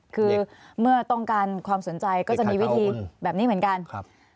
คือเมื่อต้องการความสนใจก็จะมีวิธีแบบนี้เหมือนกัน